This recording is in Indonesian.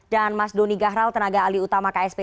dan mas doni gahral tenaga ali utama ksp